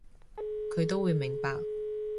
佢都會明白